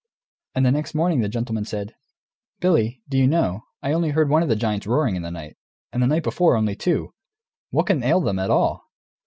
And the next morning the gentleman said, "Billy, do you know, I only heard one of the giants roaring in the night, and the night before only two. What can ail them, at all?"